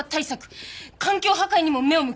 環境破壊にも目を向け。